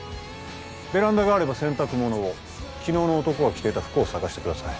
ベランダがあれば洗濯物を昨日の男が着ていた服を探してください